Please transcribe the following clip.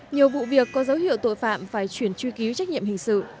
nhiều vụ việc có dấu hiệu tội phạm phải chuyển truy cứu trách nhiệm hình sự